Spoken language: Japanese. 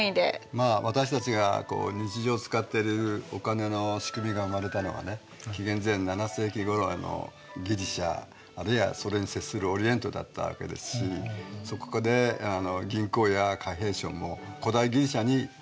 まあ私たちが日常使ってるお金の仕組みが生まれたのはね紀元前７世紀ごろのギリシアあるいはそれに接するオリエントだったわけですしそこで銀行や貨幣商も古代ギリシアに誕生したというわけですね。